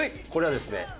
これはですね